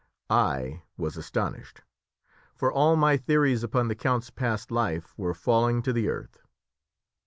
I was astonished; for all my theories upon the count's past life were falling to the earth.